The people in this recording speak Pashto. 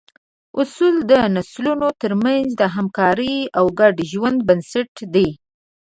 اصول د نسلونو تر منځ د همکارۍ او ګډ ژوند بنسټ دي.